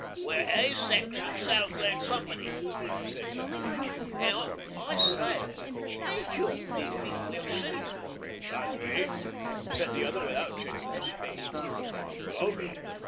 'We're 'A' Section, Southland Company,' said Duffy, 'an' I say ain't you Beefy Wilson?' 'That's me,' said the other without checking his spade. 'And blow me!